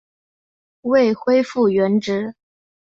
未恢复原职